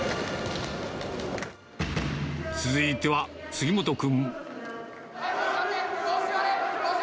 続いては、杉本君。